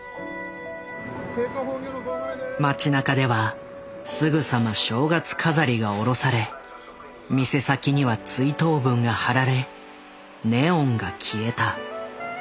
街なかではすぐさま正月飾りがおろされ店先には追悼文がはられネオンが消えた。